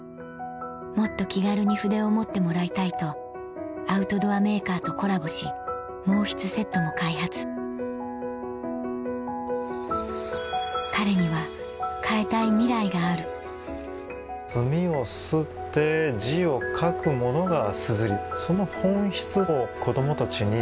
もっと気軽に筆を持ってもらいたいとアウトドアメーカーとコラボし毛筆セットも開発彼には変えたいミライがある墨をすって字を書くものが硯。